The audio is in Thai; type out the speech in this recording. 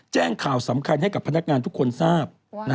แจ้งข่าวสำคัญให้กับพนักงานทุกคนทราบ